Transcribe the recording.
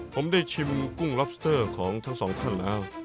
ผมได้ชิมกุ้งล็อบสเตอร์ของทั้งสองท่านแล้ว